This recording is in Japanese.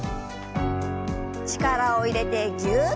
力を入れてぎゅっ。